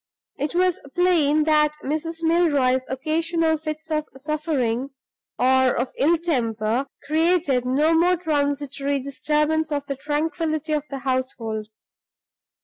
It was plain that Mrs. Milroy's occasional fits of suffering (or of ill temper) created no mere transitory disturbance of the tranquillity of the household.